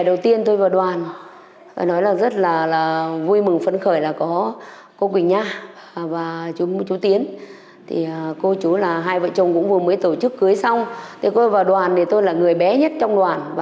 điều then của quê hương